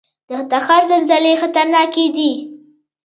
د تخار زلزلې خطرناکې دي